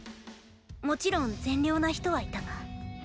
もちろん善良な人はいたが。